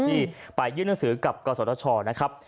ที่ไปยื่นหนังสือกับกศชนะครับ